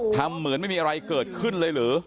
ทำเหมือนไม่มีอะไรเกิดขึ้นเลยหรือ